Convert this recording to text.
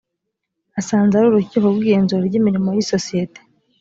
asanze ari urukiko rw’igenzura ry’imirimo y’isosiyete